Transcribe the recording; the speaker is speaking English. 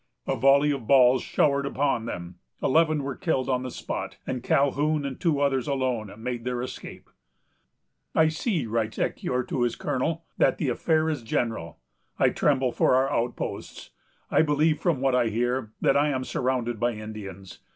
A volley of balls showered upon them; eleven were killed on the spot, and Calhoun and two others alone made their escape. "I see," writes Ecuyer to his colonel, "that the affair is general. I tremble for our outposts. I believe, from what I hear, that I am surrounded by Indians.